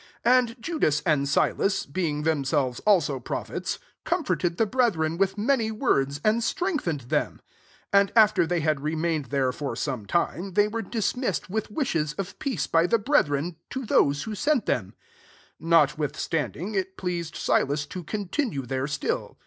32 And Judas and Silas, being themselves also prophets, comforted the brethren with many words, and strengthened them. 33 Ajid after they had remaiixed there for some tiine, they were dismissed with wishes tif peace by the brethren, to those who sent them. 34 [Wbr vdihaanding, it pleased Silas to continue there still.'